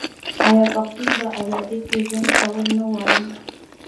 آیا پښتون په ازادۍ کې ژوند کول نه غواړي؟